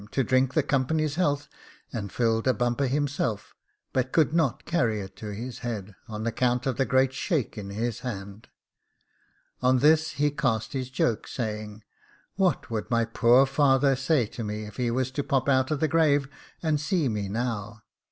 to drink the company's health, and filled a bumper himself, but could not carry it to his head, on account of the great shake in his hand; on this he cast his joke, saying, 'What would my poor father say to me if he was to pop out of the grave, and see me now?